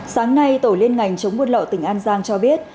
sáng nay tổ liên ngành chống buôn lậu tỉnh an giang cho biết